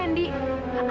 tolong ndi jujur ndi